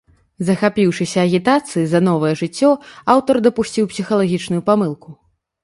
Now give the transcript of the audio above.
Захапіўшыся агітацыяй за новае жыццё, аўтар дапусціў псіхалагічную памылку.